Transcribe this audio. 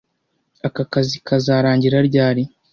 Aka kazi kazarangira ryari